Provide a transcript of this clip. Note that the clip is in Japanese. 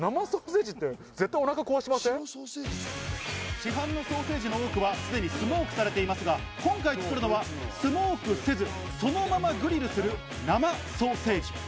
市販のソーセージの多くはすでにスモークされていますが、今回作るのはスモークせず、そのままグリルする生ソーセージ。